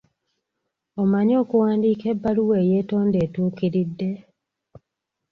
Omanyi kuwandiika ebbaluwa eyeetonda etuukiridde?